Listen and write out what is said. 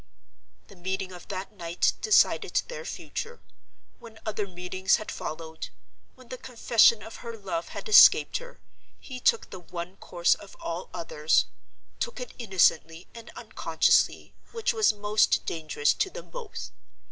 "The meeting of that night decided their future. When other meetings had followed, when the confession of her love had escaped her, he took the one course of all others (took it innocently and unconsciously), which was most dangerous to them both.